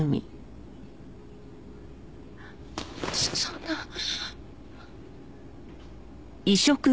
そそんな！